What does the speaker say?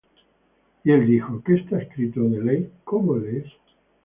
Y él dijo: ¿Qué está escrito de la ley? ¿cómo lees?